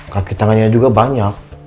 kaki tangannya juga banyak